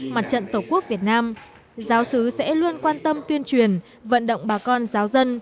mặt trận tổ quốc việt nam giáo sứ sẽ luôn quan tâm tuyên truyền vận động bà con giáo dân